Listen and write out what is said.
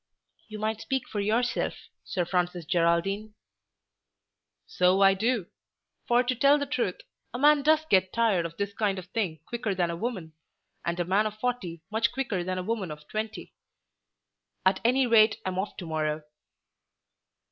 "You might speak for yourself, Sir Francis Geraldine." "So I do. For to tell the truth, a man does get tired of this kind of thing quicker than a woman, and a man of forty much quicker than a woman of twenty. At any rate I'm off to morrow."